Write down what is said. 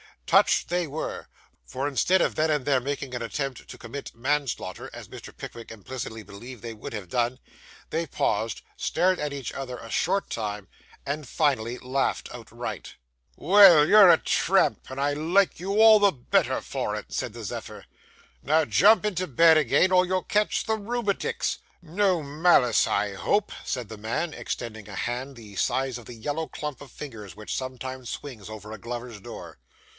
Touched they were; for, instead of then and there making an attempt to commit man slaughter, as Mr. Pickwick implicitly believed they would have done, they paused, stared at each other a short time, and finally laughed outright. 'Well, you're a trump, and I like you all the better for it,' said the Zephyr. 'Now jump into bed again, or you'll catch the rheumatics. No malice, I hope?' said the man, extending a hand the size of the yellow clump of fingers which sometimes swings over a glover's door.